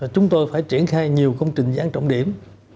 chúng tôi phải triển khai nhiều công trình giãn trọng điểm